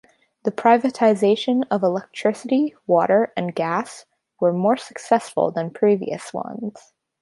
The privatizations of electricity, water, and gas were more successful than previous ones.